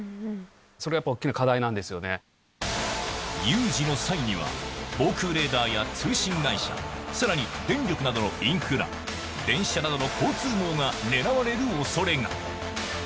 それはやっぱり大きな課題な有事の際には、防空レーダーや通信会社、さらに電力などのインフラ、電車などの交通網が狙われるおそれが。